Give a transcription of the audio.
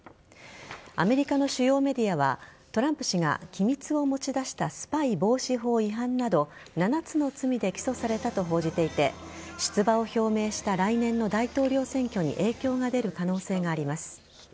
アメリカの主要メディアはトランプ氏が機密を持ち出したスパイ防止法違反など７つの罪で起訴されたと報じていて出馬を表明した来年の大統領選挙に影響が出る可能性があります。